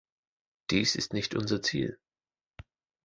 Dies ist nicht unser Ziel.